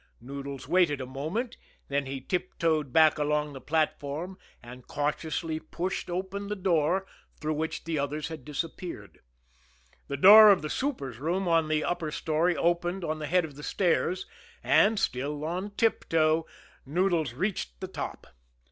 Noodles waited a moment, then he tiptoed back along the platform, and cautiously pushed open the door through which the others had disappeared. The door of the super's room on the upper story opened on the head of the stairs and, still on tiptoe, Noodles reached the top.